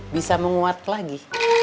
bisa menguat lagi